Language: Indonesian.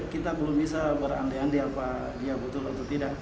kita belum bisa berandai andai apa dia betul atau tidak